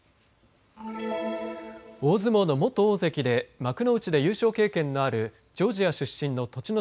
大相撲の元大関で幕内で優勝経験のあるジョージア出身の栃ノ